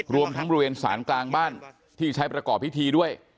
รวมทั้งบริเวณสารกลางบ้านที่ใช้ประกอบพิธีด้วย